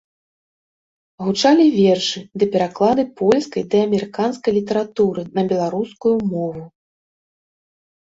Гучалі вершы ды пераклады польскай ды амерыканскай літаратуры на беларускую мову.